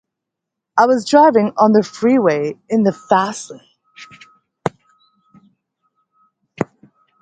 I was driving on the freeway in the fast lane